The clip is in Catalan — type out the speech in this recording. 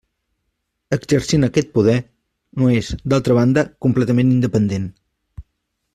Exercint aquest poder, no és, d'altra banda, completament independent.